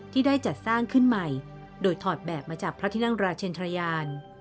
ที่ได้จัดสร้างขึ้นใหม่โดยถอดแบบมาจากพระที่นั่งราชเชนทรยาน